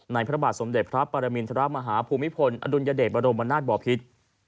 พระบาทสมเด็จพระปรมินทรมาฮาภูมิพลอดุลยเดชบรมนาศบอพิษ